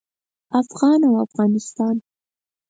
افغان او افغانستان